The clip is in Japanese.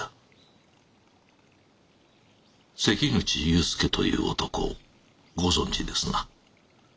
関口雄介という男ご存じですな？